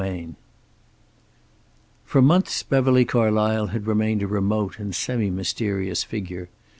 XLI For months Beverly Carlysle had remained a remote and semi mysterious figure.